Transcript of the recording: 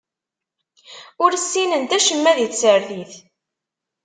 Ur ssinent acemma di tsertit.